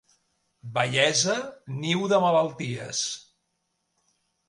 Vellesa, niu de malalties.